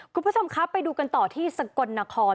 คุณผู้ชมครับไปดูกันต่อที่สกลนคร